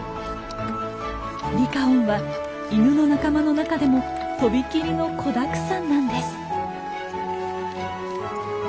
リカオンはイヌの仲間の中でも飛び切りの子だくさんなんです。